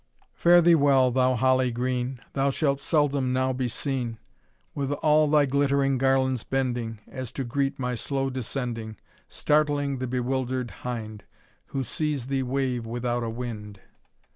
"Fare thee well, thou Holly green, Thou shall seldom now be seen, With all thy glittering garlands bending, As to greet my slow descending, Startling the bewilder'd hind. Who sees thee wave without a wind.